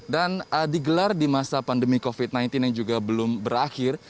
dan digelar di masa pandemi covid sembilan belas yang juga belum berakhir